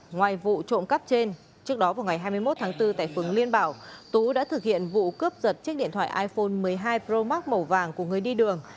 ngoài vụ trộm cắp trên trước đó vào ngày hai mươi một tháng bốn tại phường liên bảo tú đã thực hiện vụ cướp giật chiếc điện thoại iphone một mươi hai pro max màu vàng của người đi đường